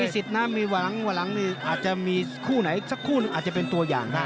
มีสิทธิ์นะมีหวังหวังอาจจะมีคู่ไหนอีกสักคู่อาจจะเป็นตัวอย่าง